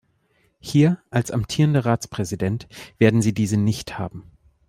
Hier, als amtierender Ratspräsident, werden Sie diese nicht haben.